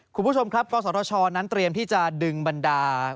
คุณผู้ชมครับกศชนั้นเตรียมที่จะดึงบรรดา